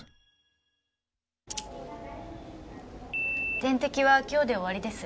点滴は今日で終わりです。